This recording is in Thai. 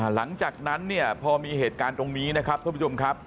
หลังจากนั้นเนี่ยพอมีเหตุการณ์ตรงนี้นะครับท่านผู้ชมครับ